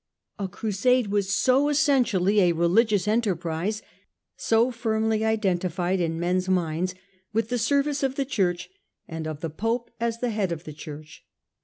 A Crusade was so essentially a religious enterprise, so firmly identified in men's minds with the service of the Church and of the Pope as the head of the Church.